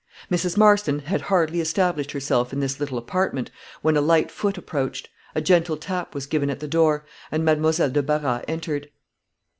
Mrs. Marston had hardly established herself in this little apartment, when a light foot approached, a gentle tap was given at the door, and Mademoiselle de Barras entered.